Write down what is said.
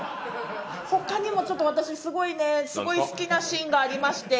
ほかにもちょっと私すごいねすごい好きなシーンがありまして。